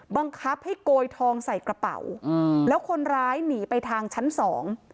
บังคับให้โกยทองใส่กระเป๋าอืมแล้วคนร้ายหนีไปทางชั้นสอง